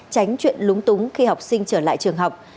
tránh chuyện lúng túng khi học sinh trở lại trường học